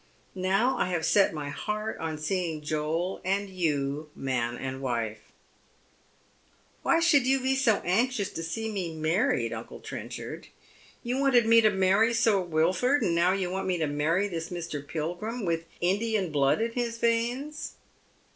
Now I have set my heart on seeing Joel and you man and wife." " Why should you be so anxious to see me married, uncle Trenchard? You wanted me to many Sir Wilford, and now you want me to marry this Mr. Pilgrim, with Indian blood in his veins."